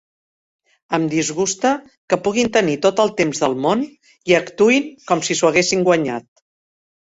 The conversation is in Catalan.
Em disgusta que puguin tenir tot el temps del món i actuïn com si s'ho haguessin guanyat.